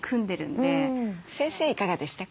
先生いかがでしたか？